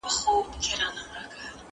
مهرباني وکړه او زما د کوټې دروازه بنده کړه.